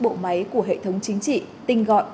bộ máy của hệ thống chính trị tinh gọi